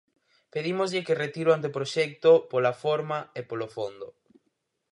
Pedímoslle que retire o anteproxecto, pola forma e polo fondo.